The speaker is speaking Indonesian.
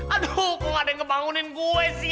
aduh kok ada yang ngebangunin gue sih